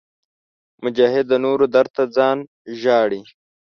مجاهد د نورو درد ته ځان ژاړي.